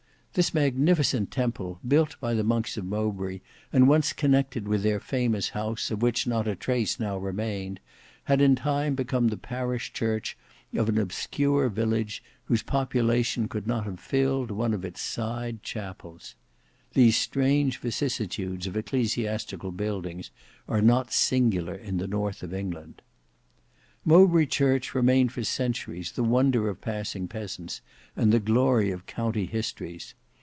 This magnificent temple, built by the monks of Mowbray, and once connected with their famous house of which not a trace now remained, had in time become the parish church of an obscure village, whose population could not have filled one of its side chapels. These strange vicissitudes of ecclesiastical buildings are not singular in the north of England. Mowbray Church remained for centuries the wonder of passing peasants, and the glory of county histories.